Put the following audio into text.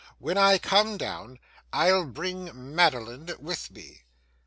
When I come down, I'll bring Madeline with me.